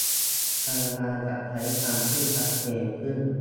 พยายามจะใช้คำที่ชัดเจนขึ้น